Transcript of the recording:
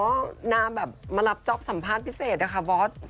อ๋อบอสอ๋อนาแบบมาหลับจอบสัมภาษณ์พิเศษนะค่ะบอส